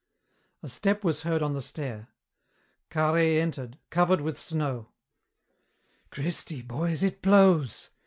A step was heard on the stair. Carhaix entered, covered with snow. "Cristi, boys, it blows!"